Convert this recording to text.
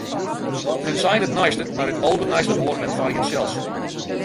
Men seit it neiste, mar it alderneiste hâldt men foar jinsels.